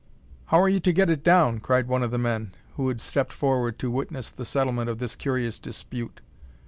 "How are you to get it down?" cried one of the men, who had stepped forward to witness the settlement of this curious dispute.